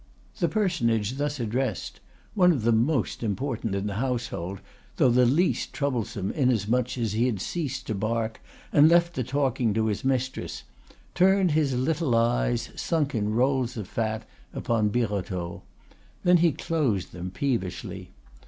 The personage thus addressed, one of the most important in the household, though the least troublesome inasmuch as he had ceased to bark and left the talking to his mistress, turned his little eyes, sunk in rolls of fat, upon Birotteau. Then he closed them peevishly.